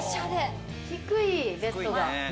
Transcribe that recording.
低い、ベッドが。